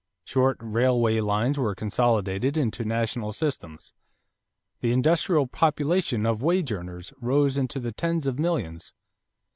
Short railway lines were consolidated into national systems. The industrial population of wage earners rose into the tens of millions.